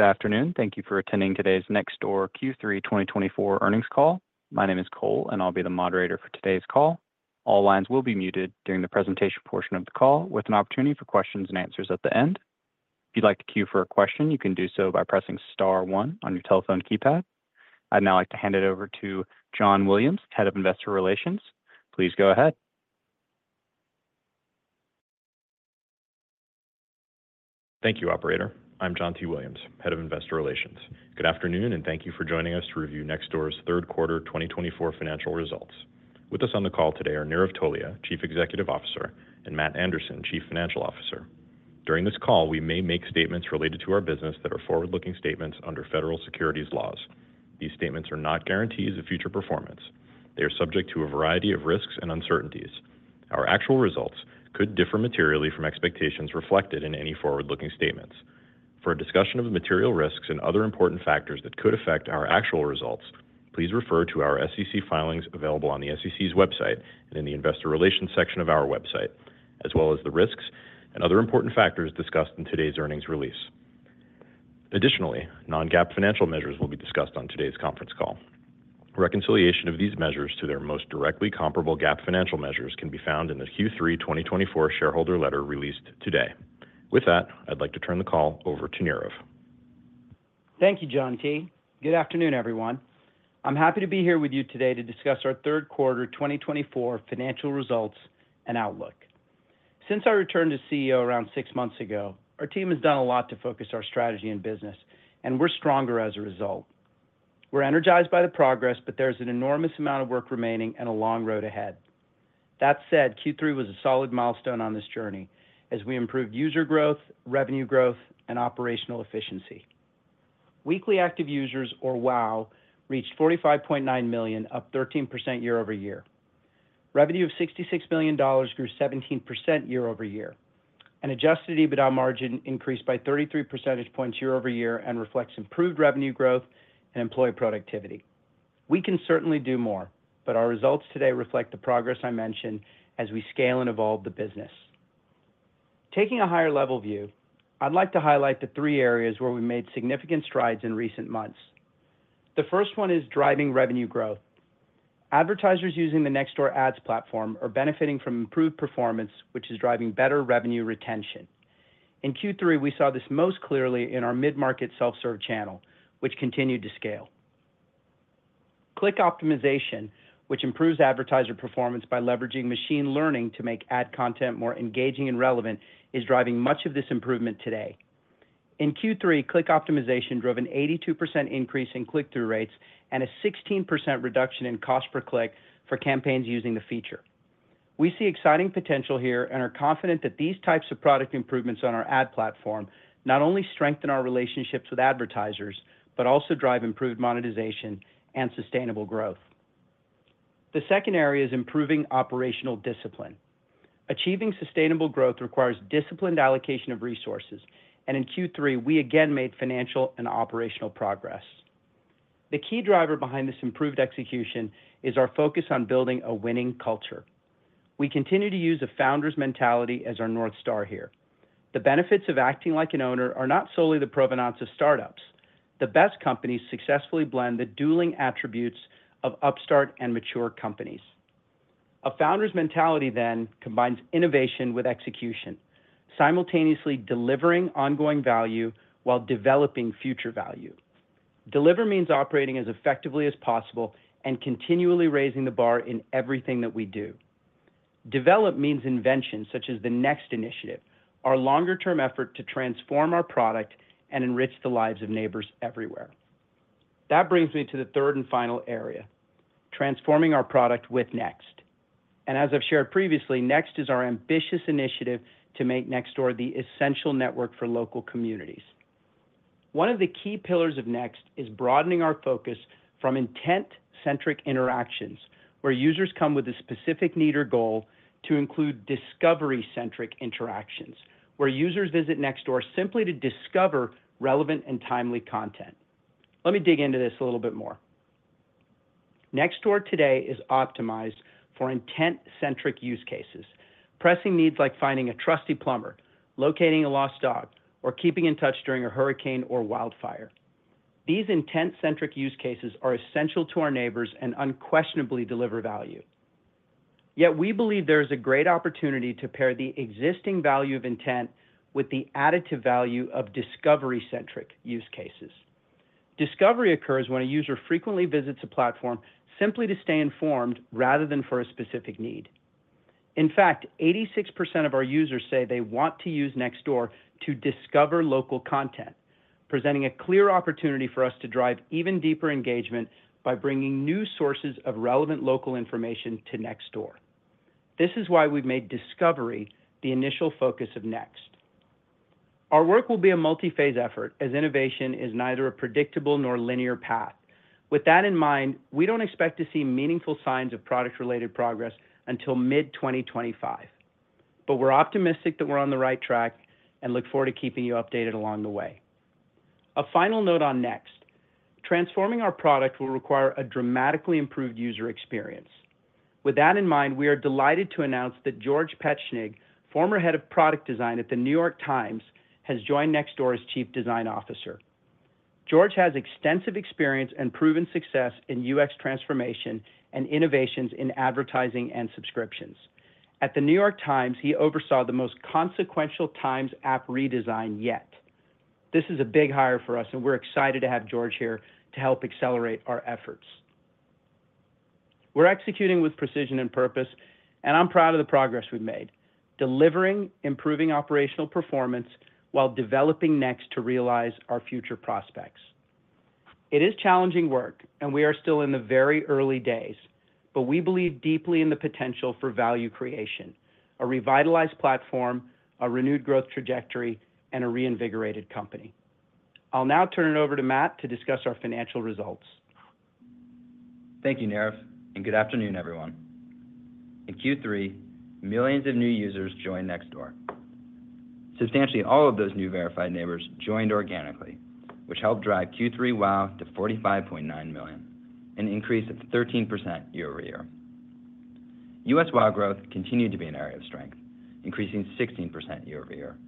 Good afternoon. Thank you for attending today's Nextdoor Q3 2024 earnings call. My name is Cole, and I'll be the moderator for today's call. All lines will be muted during the presentation portion of the call, with an opportunity for questions and answers at the end. If you'd like to queue for a question, you can do so by pressing Star 1 on your telephone keypad. I'd now like to hand it over to John Williams, Head of Investor Relations. Please go ahead. Thank you, Operator. I'm John T. Williams, Head of Investor Relations. Good afternoon, and thank you for joining us to review Nextdoor's third quarter 2024 financial results. With us on the call today are Nirav Tolia, Chief Executive Officer, and Matt Anderson, Chief Financial Officer. During this call, we may make statements related to our business that are forward-looking statements under federal securities laws. These statements are not guarantees of future performance. They are subject to a variety of risks and uncertainties. Our actual results could differ materially from expectations reflected in any forward-looking statements. For a discussion of the material risks and other important factors that could affect our actual results, please refer to our SEC filings available on the SEC's website and in the Investor Relations section of our website, as well as the risks and other important factors discussed in today's earnings release. Additionally, non-GAAP financial measures will be discussed on today's conference call. Reconciliation of these measures to their most directly comparable GAAP financial measures can be found in the Q3 2024 shareholder letter released today. With that, I'd like to turn the call over to Nirav. Thank you, John T. Good afternoon, everyone. I'm happy to be here with you today to discuss our third quarter 2024 financial results and outlook. Since our return to CEO around six months ago, our team has done a lot to focus our strategy and business, and we're stronger as a result. We're energized by the progress, but there is an enormous amount of work remaining and a long road ahead. That said, Q3 was a solid milestone on this journey as we improved user growth, revenue growth, and operational efficiency. Weekly Active Users, or WAU, reached 45.9 million, up 13% year over year. Revenue of $66 million grew 17% year over year. An Adjusted EBITDA margin increased by 33 percentage points year over year and reflects improved revenue growth and employee productivity. We can certainly do more, but our results today reflect the progress I mentioned as we scale and evolve the business. Taking a higher-level view, I'd like to highlight the three areas where we made significant strides in recent months. The first one is driving revenue growth. Advertisers using the Nextdoor Ads platform are benefiting from improved performance, which is driving better revenue retention. In Q3, we saw this most clearly in our mid-market self-serve channel, which continued to scale. Click optimization, which improves advertiser performance by leveraging machine learning to make ad content more engaging and relevant, is driving much of this improvement today. In Q3, click optimization drove an 82% increase in click-through rates and a 16% reduction in cost per click for campaigns using the feature. We see exciting potential here and are confident that these types of product improvements on our ad platform not only strengthen our relationships with advertisers but also drive improved monetization and sustainable growth. The second area is improving operational discipline. Achieving sustainable growth requires disciplined allocation of resources, and in Q3, we again made financial and operational progress. The key driver behind this improved execution is our focus on building a winning culture. We continue to use a founder's mentality as our north star here. The benefits of acting like an owner are not solely the provenance of startups. The best companies successfully blend the dueling attributes of upstart and mature companies. A founder's mentality then combines innovation with execution, simultaneously delivering ongoing value while developing future value. Deliver means operating as effectively as possible and continually raising the bar in everything that we do. Develop means invention, such as the Next initiative, our longer-term effort to transform our product and enrich the lives of neighbors everywhere. That brings me to the third and final area: transforming our product with Next, and as I've shared previously, Next is our ambitious initiative to make Nextdoor the essential network for local communities. One of the key pillars of Next is broadening our focus from intent-centric interactions, where users come with a specific need or goal, to include discovery-centric interactions, where users visit Nextdoor simply to discover relevant and timely content. Let me dig into this a little bit more. Nextdoor today is optimized for intent-centric use cases, pressing needs like finding a trusty plumber, locating a lost dog, or keeping in touch during a hurricane or wildfire. These intent-centric use cases are essential to our neighbors and unquestionably deliver value. Yet we believe there is a great opportunity to pair the existing value of intent with the additive value of discovery-centric use cases. Discovery occurs when a user frequently visits a platform simply to stay informed rather than for a specific need. In fact, 86% of our users say they want to use Nextdoor to discover local content, presenting a clear opportunity for us to drive even deeper engagement by bringing new sources of relevant local information to Nextdoor. This is why we've made discovery the initial focus of Next. Our work will be a multi-phase effort, as innovation is neither a predictable nor linear path. With that in mind, we don't expect to see meaningful signs of product-related progress until mid-2025. But we're optimistic that we're on the right track and look forward to keeping you updated along the way. A final note on Next: transforming our product will require a dramatically improved user experience. With that in mind, we are delighted to announce that George Petschnig, former head of product design at The New York Times, has joined Nextdoor as Chief Design Officer. George has extensive experience and proven success in UX transformation and innovations in advertising and subscriptions. At The New York Times, he oversaw the most consequential Times app redesign yet. This is a big hire for us, and we're excited to have George here to help accelerate our efforts. We're executing with precision and purpose, and I'm proud of the progress we've made, delivering, improving operational performance while developing Next to realize our future prospects. It is challenging work, and we are still in the very early days, but we believe deeply in the potential for value creation: a revitalized platform, a renewed growth trajectory, and a reinvigorated company. I'll now turn it over to Matt to discuss our financial results. Thank you, Nirav, and good afternoon, everyone. In Q3, millions of new users joined Nextdoor. Substantially all of those new verified neighbors joined organically, which helped drive Q3 WAU to 45.9 million, an increase of 13% year over year. US WAU growth continued to be an area of strength, increasing 16% year over year.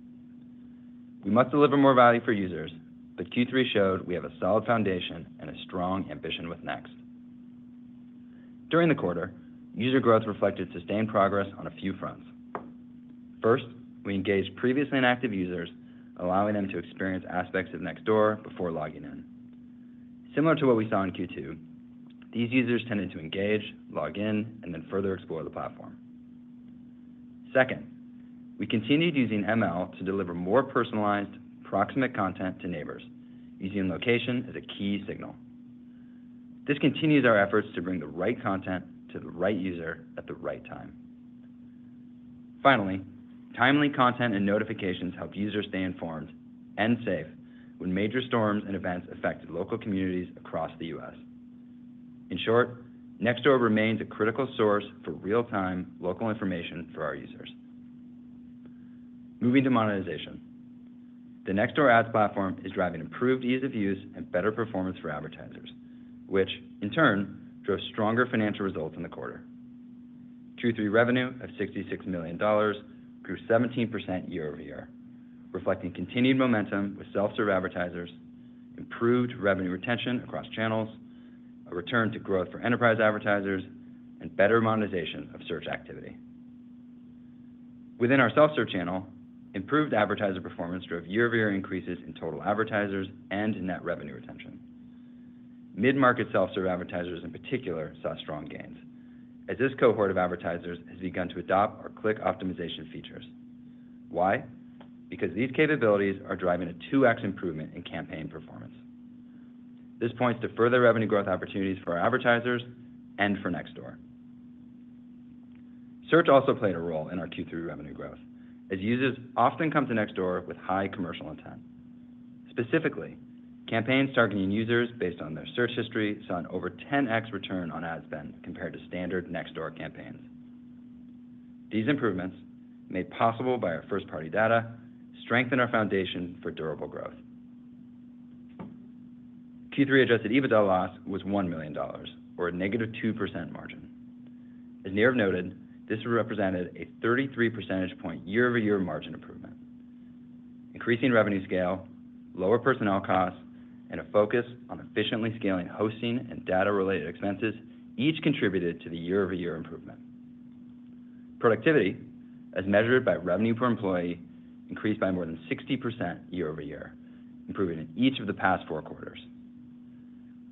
We must deliver more value for users, but Q3 showed we have a solid foundation and a strong ambition with Next. During the quarter, user growth reflected sustained progress on a few fronts. First, we engaged previously inactive users, allowing them to experience aspects of Nextdoor before logging in. Similar to what we saw in Q2, these users tended to engage, log in, and then further explore the platform. Second, we continued using ML to deliver more personalized, proximate content to neighbors, using location as a key signal. This continues our efforts to bring the right content to the right user at the right time. Finally, timely content and notifications help users stay informed and safe when major storms and events affected local communities across the U.S. In short, Nextdoor remains a critical source for real-time local information for our users. Moving to monetization, the Nextdoor Ads platform is driving improved ease of use and better performance for advertisers, which, in turn, drove stronger financial results in the quarter. Q3 revenue of $66 million grew 17% year over year, reflecting continued momentum with self-serve advertisers, improved revenue retention across channels, a return to growth for enterprise advertisers, and better monetization of search activity. Within our self-serve channel, improved advertiser performance drove year-over-year increases in total advertisers and net revenue retention. Mid-market self-serve advertisers, in particular, saw strong gains, as this cohort of advertisers has begun to adopt our click optimization features. Why? Because these capabilities are driving a 2x improvement in campaign performance. This points to further revenue growth opportunities for our advertisers and for Nextdoor. Search also played a role in our Q3 revenue growth, as users often come to Nextdoor with high commercial intent. Specifically, campaigns targeting users based on their search history saw an over 10x return on ad spend compared to standard Nextdoor campaigns. These improvements, made possible by our first-party data, strengthen our foundation for durable growth. Q3 adjusted EBITDA loss was $1 million, or a negative 2% margin. As Nirav noted, this represented a 33 percentage point year-over-year margin improvement. Increasing revenue scale, lower personnel costs, and a focus on efficiently scaling hosting and data-related expenses each contributed to the year-over-year improvement. Productivity, as measured by revenue per employee, increased by more than 60% year-over-year, improving in each of the past four quarters.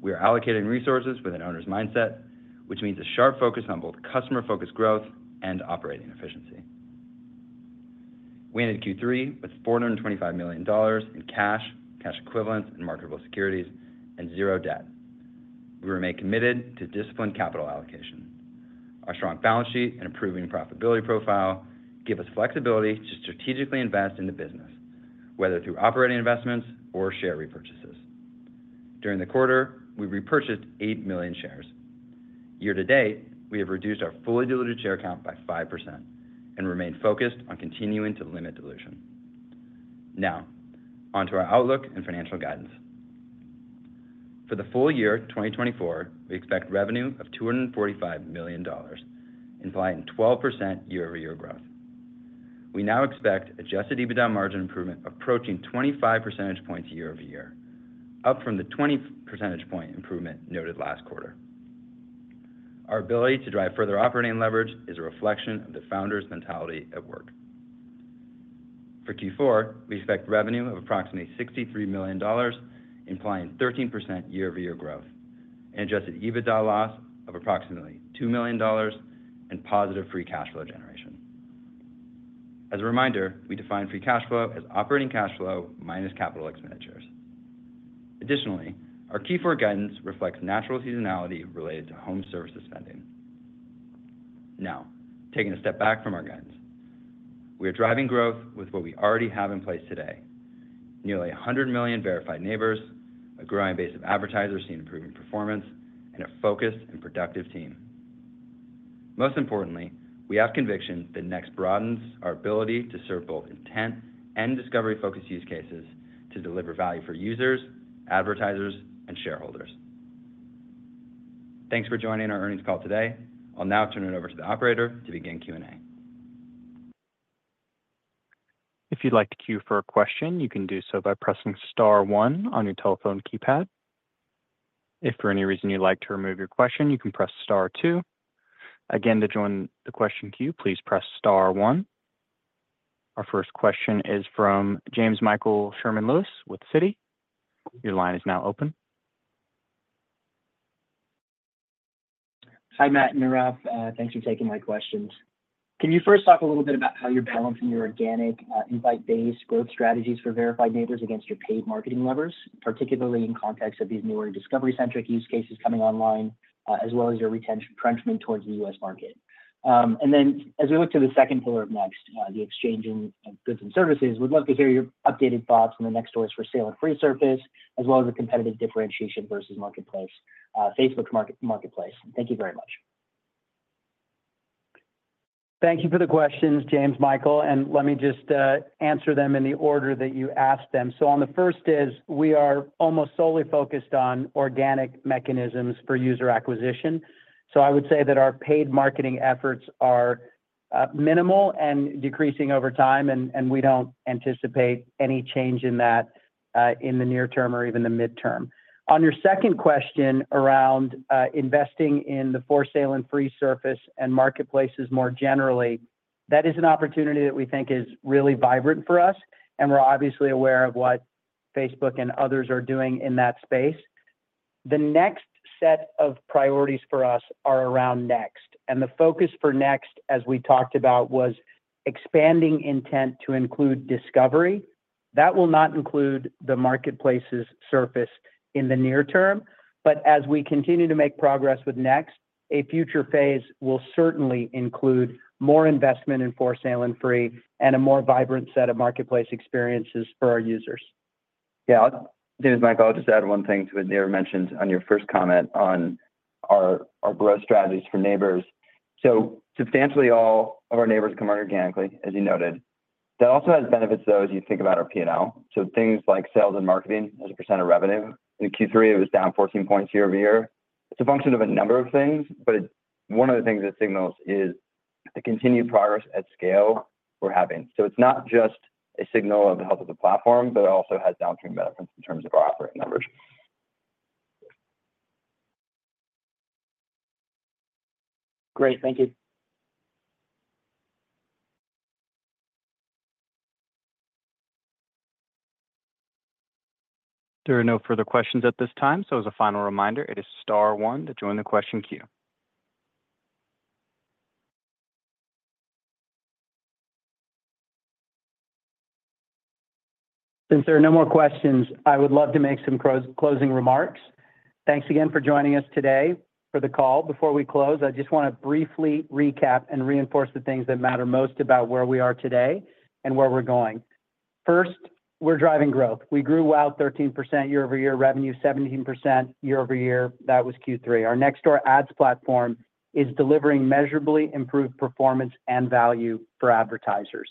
We are allocating resources with an owner's mindset, which means a sharp focus on both customer-focused growth and operating efficiency. We ended Q3 with $425 million in cash, cash equivalents, and marketable securities, and zero debt. We remain committed to disciplined capital allocation. Our strong balance sheet and improving profitability profile give us flexibility to strategically invest in the business, whether through operating investments or share repurchases. During the quarter, we repurchased eight million shares. Year to date, we have reduced our fully diluted share count by 5% and remain focused on continuing to limit dilution. Now, onto our outlook and financial guidance. For the full year 2024, we expect revenue of $245 million, implying 12% year-over-year growth. We now expect Adjusted EBITDA margin improvement approaching 25 percentage points year-over-year, up from the 20 percentage point improvement noted last quarter. Our ability to drive further operating leverage is a reflection of the founder's mentality at work. For Q4, we expect revenue of approximately $63 million, implying 13% year-over-year growth, an Adjusted EBITDA loss of approximately $2 million, and positive free cash flow generation. As a reminder, we define free cash flow as operating cash flow minus capital expenditures. Additionally, our Q4 guidance reflects natural seasonality related to home services spending. Now, taking a step back from our guidance, we are driving growth with what we already have in place today: nearly 100 million verified neighbors, a growing base of advertisers seen improving performance, and a focused and productive team. Most importantly, we have conviction that Next broadens our ability to serve both intent and discovery-focused use cases to deliver value for users, advertisers, and shareholders. Thanks for joining our earnings call today. I'll now turn it over to the operator to begin Q&A. If you'd like to queue for a question, you can do so by pressing Star 1 on your telephone keypad. If for any reason you'd like to remove your question, you can press Star 2. Again, to join the question queue, please press Star 1. Our first question is from Jamesmichael Sherman-Lewis with Citi. Your line is now open. Hi, Matt and Nirav. Thanks for taking my questions. Can you first talk a little bit about how you're balancing your organic invite-based growth strategies for verified neighbors against your paid marketing levers, particularly in context of these newer discovery-centric use cases coming online, as well as your retention towards the U.S. market? And then, as we look to the second pillar of Next, the exchange in goods and services, we'd love to hear your updated thoughts on Nextdoor's For Sale and Free service, as well as the competitive differentiation versus Facebook Marketplace. Thank you very much. Thank you for the questions, Jamesmichael, and let me just answer them in the order that you asked them. So on the first is, we are almost solely focused on organic mechanisms for user acquisition. So I would say that our paid marketing efforts are minimal and decreasing over time, and we don't anticipate any change in that in the near term or even the midterm. On your second question around investing in the for sale and free service and marketplaces more generally, that is an opportunity that we think is really vibrant for us, and we're obviously aware of what Facebook and others are doing in that space. The next set of priorities for us are around Next, and the focus for Next, as we talked about, was expanding intent to include discovery. That will not include the marketplace's service in the near term, but as we continue to make progress with Next, a future phase will certainly include more investment in For Sale and Free and a more vibrant set of marketplace experiences for our users. Yeah, Jamesmichael, I'll just add one thing to what Nirav mentioned on your first comment on our growth strategies for neighbors. So substantially all of our neighbors come organically, as you noted. That also has benefits, though, as you think about our P&L, so things like sales and marketing as a % of revenue. In Q3, it was down 14 points year-over-year. It's a function of a number of things, but one of the things it signals is the continued progress at scale we're having. So it's not just a signal of the health of the platform, but it also has downstream benefits in terms of our operating levers. Great, thank you. There are no further questions at this time, so as a final reminder, it is Star 1 to join the question queue. Since there are no more questions, I would love to make some closing remarks. Thanks again for joining us today for the call. Before we close, I just want to briefly recap and reinforce the things that matter most about where we are today and where we're going. First, we're driving growth. We grew WAU 13% year-over-year, revenue 17% year-over-year. That was Q3. Our Nextdoor Ads platform is delivering measurably improved performance and value for advertisers.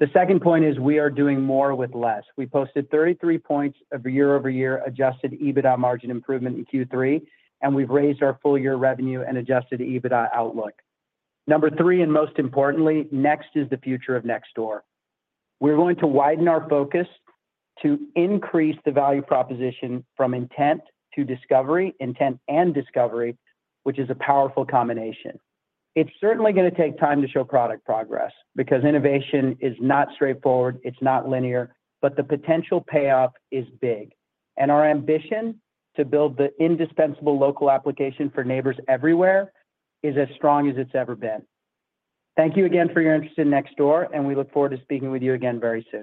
The second point is we are doing more with less. We posted 33 points of year-over-year Adjusted EBITDA margin improvement in Q3, and we've raised our full-year revenue and Adjusted EBITDA outlook. Number three, and most importantly, Next is the future of Nextdoor. We're going to widen our focus to increase the value proposition from intent to discovery, intent and discovery, which is a powerful combination. It's certainly going to take time to show product progress because innovation is not straightforward, it's not linear, but the potential payoff is big, and our ambition to build the indispensable local application for neighbors everywhere is as strong as it's ever been. Thank you again for your interest in Nextdoor, and we look forward to speaking with you again very soon.